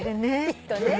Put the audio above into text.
きっとね。